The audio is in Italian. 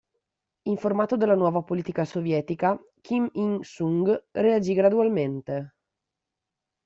Informato della nuova politica sovietica, Kim Il-sung reagì gradualmente.